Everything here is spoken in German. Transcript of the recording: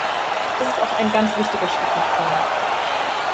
Das ist auch ein ganz wichtiger Schritt nach vorne.